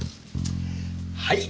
はい。